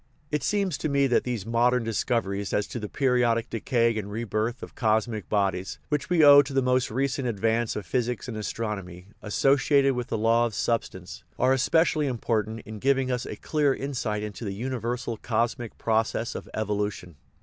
It seems to me that these modern discoveries as to the periodic decay and re birth of cosmic bodies, which we owe to the most recent advance of physics and as tronomy, associated with the law of substance, are especially important in giving us a clear insight into the universal cosmic process of evolution.